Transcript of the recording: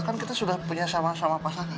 kan kita sudah punya sama sama pasangan